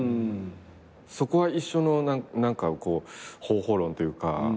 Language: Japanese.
そこは一緒の方法論というか。